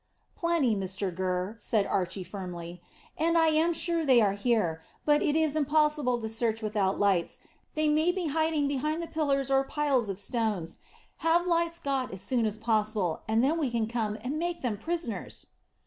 "Plenty, Mr Gurr," said Archy firmly; "and I am sure they are here; but it is impossible to search without lights. They may be hiding behind the pillars or piles of stone. Have lights got as soon as possible, and then we can come and make them prisoners."